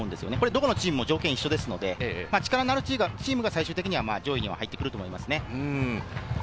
どこのチームも条件は一緒ですので、力のあるチームが最終的には上位に入ってくると思います。